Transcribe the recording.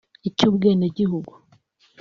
icy’ubwenegihugu